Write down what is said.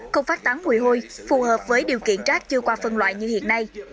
không phát tán mùi hôi phù hợp với điều kiện rác chưa qua phân loại như hiện nay